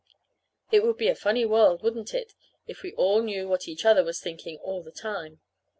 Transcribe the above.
It would be a funny world, wouldn't it, if we all knew what each other was thinking all the time?